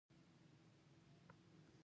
تاریخ د خپل ولس د دلاوري لامل دی.